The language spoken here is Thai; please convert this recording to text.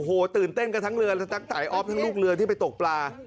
โอ้โหตื่นเต้นกันทั้งเรือทั้งไตออฟทั้งลูกเรือที่ไปตกปลา